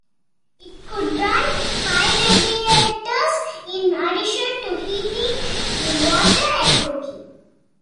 It could run five radiators in addition to heating water and cooking.